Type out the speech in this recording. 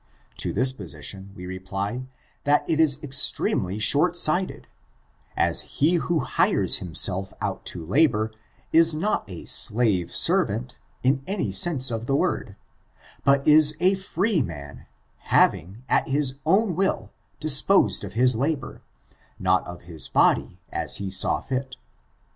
To this position we re^ ply, that it is extremely short sighted ; as he who kbres himself out to labor is not a slave servant, in any sense of the word, but is a free man, having, at his own will, disposed of his labor, not of his body, as he saw fit.